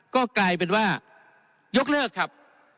ก็กลายเป็นว่ายกเลิกครับ